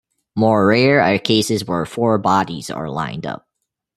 More rare are cases where four bodies are lined up.